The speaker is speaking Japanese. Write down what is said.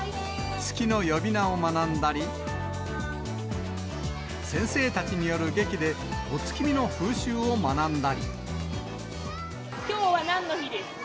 月の呼び名を学んだり、先生たちによる劇で、きょうはなんの日ですか。